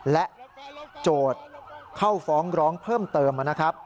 และโจทย์เข้าฟ้องร้องเพิ่มเติมนะครับ